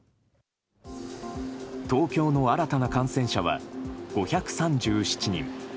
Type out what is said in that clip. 東京の新たな感染者は、５３７人。